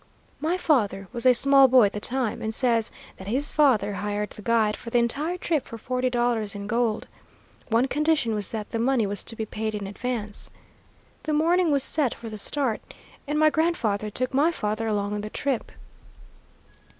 My father was a small boy at the time, and says that his father hired the guide for the entire trip for forty dollars in gold. One condition was that the money was to be paid in advance. The morning was set for the start, and my grandfather took my father along on the trip.